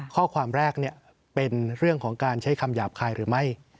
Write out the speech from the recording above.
ข้อความแรกเป็นเรื่องของการใช้คำหยาบคายหรือไม่